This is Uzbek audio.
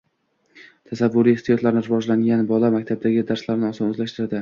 Tasavvuriy hissiyotlari rivojlangan bola maktabdagi darslarni oson o‘zlashtiradi.